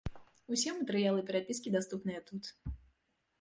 Усе матэрыялы перапіскі даступныя тут.